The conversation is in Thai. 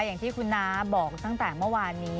อย่างที่คุณน้าบอกตั้งแต่เมื่อวานนี้